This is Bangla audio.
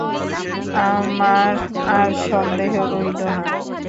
আমার আর সন্দেহ রহিল না।